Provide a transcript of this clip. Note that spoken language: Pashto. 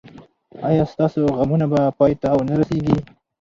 ایا ستاسو غمونه به پای ته و نه رسیږي؟